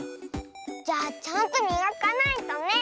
じゃあちゃんとみがかないとね。